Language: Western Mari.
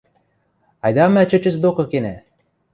— Айда мӓ чӹчӹц докы кенӓ.